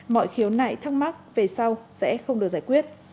mọi khiếu nại thắc mắc về sau sẽ không được giải quyết